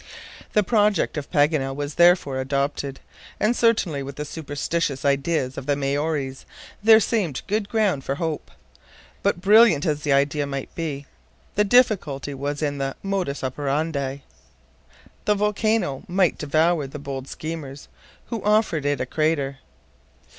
The project of Paganel was therefore adopted, and certainly with the superstitious ideas of the Maories there seemed good ground for hope. But brilliant as the idea might be, the difficulty was in the modus operandi. The volcano might devour the bold schemers, who offered it a crater.